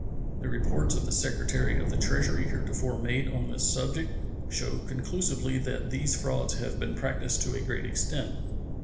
The reports of the Secretary of the Treasury heretofore made on this subject show conclusively that these frauds have been practiced to a great extent.